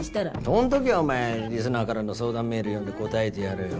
その時はお前リスナーからの相談メール読んで答えてやれよ。